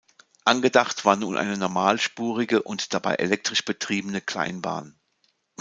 Angedacht war nun eine normalspurige und dabei elektrisch betriebene Kleinbahn.